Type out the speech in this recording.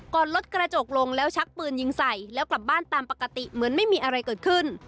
รถกระจกลงแล้วชักปืนยิงใส่แล้วกลับบ้านตามปกติเหมือนไม่มีอะไรเกิดขึ้น